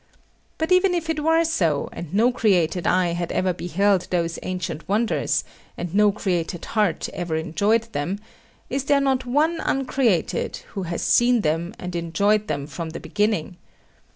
But even if it were so, and no created eye had ever beheld those ancient wonders, and no created heart ever enjoyed them, is there not one Uncreated who has seen them and enjoyed them from the beginning?